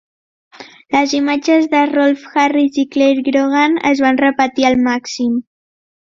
Les imatges de Rolf Harris i Clare Grogan es van repetir al màxim.